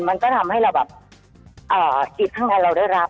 มันก็ทำให้เราแบบจิตข้างกลางได้รับ